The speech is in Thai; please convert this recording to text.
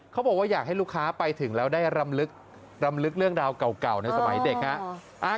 เขาบอกว่าอยากให้ลูกค้าไปถึงแล้วได้รำลึกเรื่องราวเก่าในสมัยเด็กครับ